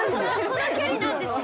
◆この距離なんですね。